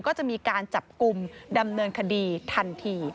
ก็จะมีการจับกลุ่มดำเนินคดีทันที